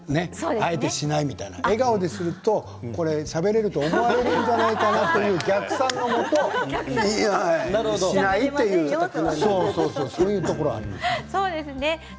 あえてしないみたいな笑顔でするとしゃべれると思われるんじゃないかなという逆算のもとしないということなんですよね。